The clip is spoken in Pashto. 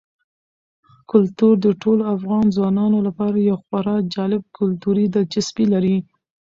کلتور د ټولو افغان ځوانانو لپاره یوه خورا جالب کلتوري دلچسپي لري.